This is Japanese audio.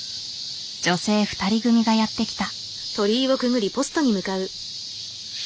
女性２人組がやって来た。